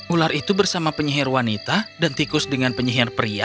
ular itu bersama penyihir wanita dan tikus dengan penyihir pria